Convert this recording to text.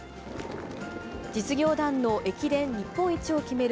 実業団の駅伝日本一を決める